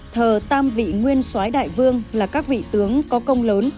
thờ tam vị nguyên xoái đại vương là các vị tướng có công lớn